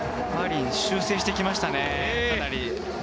修正してきましたね。